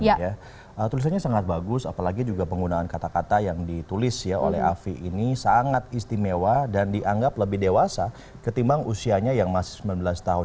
ya tulisannya sangat bagus apalagi juga penggunaan kata kata yang ditulis ya oleh afi ini sangat istimewa dan dianggap lebih dewasa ketimbang usianya yang masih sembilan belas tahun